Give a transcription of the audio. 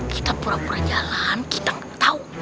kita pura pura jalan kita nggak tahu